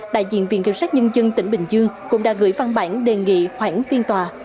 đại diện viện kiểm sát nhân dân tỉnh bình dương cũng đã gửi văn bản đề nghị khoảng phiên tòa